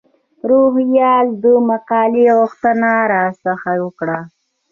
روهیال د مقالې غوښتنه را څخه وکړه.